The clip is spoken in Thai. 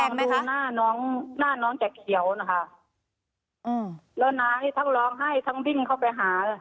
แต่มองดูหน้าน้องหน้าน้องแต่เขียวนะคะอืมแล้วน้านี่ทั้งร้องให้ทั้งบิ้งเข้าไปหา